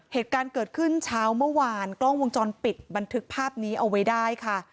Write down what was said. เหตุการณ์เกิดขึ้นเช้าเมื่อวานกล้องวงจรปิดบันทึกภาพนี้เอาไว้ได้ค่ะ